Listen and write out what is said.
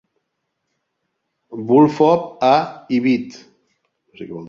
Vul'fov, A, ibíd.